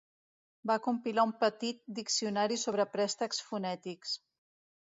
Va compilar un petit diccionari sobre préstecs fonètics.